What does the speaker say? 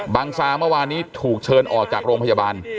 ซาเมื่อวานนี้ถูกเชิญออกจากโรงพยาบาล